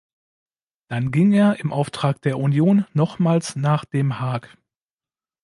Dann ging er im Auftrag der Union nochmals nach dem Haag.